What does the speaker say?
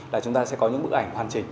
là chúng ta sẽ có những bức ảnh hoàn chỉnh